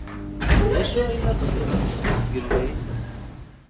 D acu i la txeddmemt seg zgelli?